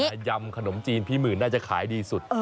แต่ยำขนมจีนพี่หมื่นน่าจะขายดีสุด